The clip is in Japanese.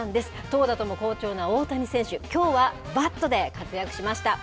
投打とも好調な大谷選手、きょうはバットで活躍しました。